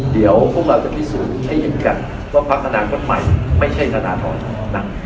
เดี๋ยวพวกเราจะพิสูจน์ให้เห็นกันว่าภาคอนาคตใหม่ไม่ใช่ธนาธรรม